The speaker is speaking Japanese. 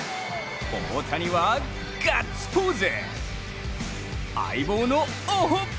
大谷はガッツポーズ。